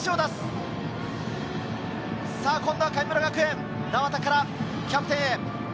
今度は神村学園、名和田からキャプテンへ。